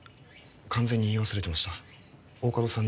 完全に言い忘れてました大加戸さん